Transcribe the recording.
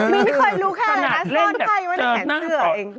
ไม่ได้ค่อยรู้แค่อะไรนะซ่อนไพ่แล้วไม่ได้แข่งเสื้อ